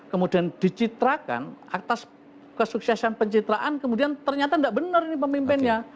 kemudian dicitrakan atas kesuksesan pencitraan kemudian ternyata tidak benar ini pemimpinnya